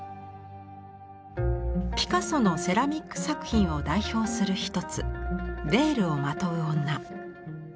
ピカソのセラミック作品を代表する一つ「ヴェールをまとう女」。